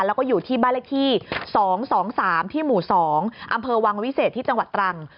แล้วก็อยู่ที่บ้านเลขที่๒๒๓ที่หมู่๒อำเภอวังวิเศษที่จังหวัดตรัง